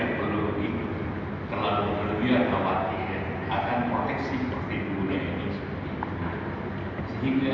karena tidak banyak hingga